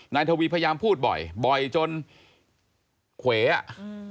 นายทวีพยายามพูดบ่อยบ่อยจนเขวอ่ะอืม